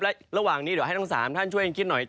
แล้วระหว่างนี้เดี๋ยวให้ต้องสามท่านคิดหน่อย